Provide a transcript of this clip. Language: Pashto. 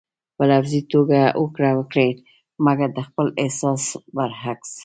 په لفظي توګه هوکړه وکړئ مګر د خپل احساس برعکس.